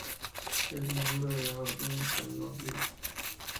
Es miembro de la Orden de Canónigos Premonstratenses.